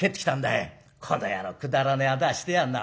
「この野郎くだらねえ仇してやがんな。